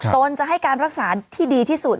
ตนจะให้การรักษาที่ดีที่สุด